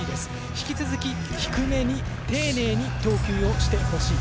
引き続き低めに丁寧に投球をしてほしい。